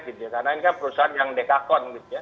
karena ini kan perusahaan yang dekakon